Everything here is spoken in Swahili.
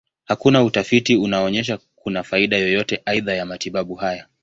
Hakuna utafiti unaonyesha kuna faida yoyote aidha ya matibabu haya.